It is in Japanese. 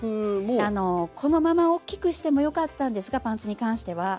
このままおっきくしてもよかったんですがパンツに関しては。